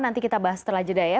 nanti kita bahas setelah jeda ya